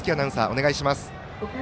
お願いします。